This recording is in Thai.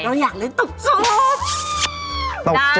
เราอยากเล่นตบ